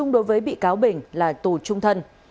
đối với bị cáo bình là tù trung thân